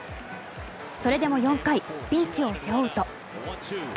それでも４回ピンチを背負うと。